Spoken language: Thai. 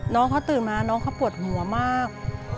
น้องเขาตื่นมาน้องเขาปวดหัวมาก